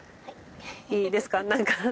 いいですか？